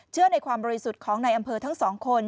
ในความบริสุทธิ์ของในอำเภอทั้งสองคน